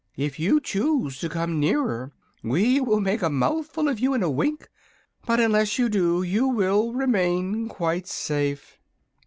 If you choose to come nearer we will make a mouthful of you in a wink; but unless you do you will remain quite safe."